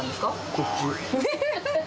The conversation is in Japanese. こっち。